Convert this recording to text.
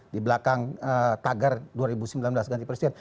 di belakang tagar dua ribu sembilan belas ganti presiden